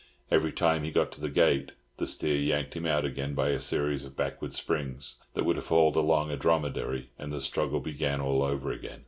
Every time he got to the gate the steer yanked him out again by a series of backward springs that would have hauled along a dromedary, and the struggle began all over again.